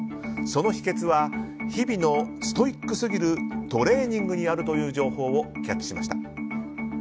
その秘訣は日々のストイックすぎるトレーニングにあるという情報をキャッチしました。